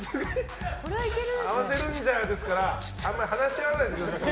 合わせルンジャーですからあまり話し合わないでください。